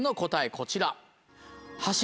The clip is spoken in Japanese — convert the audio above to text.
こちら。